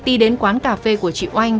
ti đến quán cà phê của chị oanh